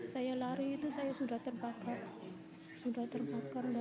saya lari itu saya sudah terbakar